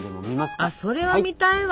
あそれは見たいわ！